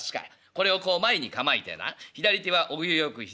これをこう前に構えてな左手はお行儀よく膝の上。